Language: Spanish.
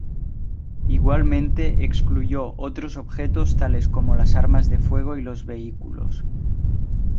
Igualmente, excluyó otros objetos tales como las armas de fuego y los vehículos.